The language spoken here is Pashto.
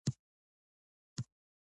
صبر غوره لاره ده